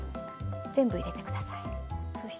全部入れてください。